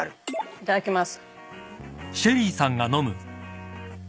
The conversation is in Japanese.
いただきます。